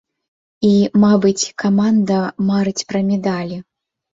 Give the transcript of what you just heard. І, мабыць, каманда марыць пра медалі.